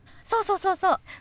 そうそうそうそう。